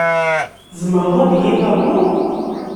Tzemreḍ ad iyi ternuḍ?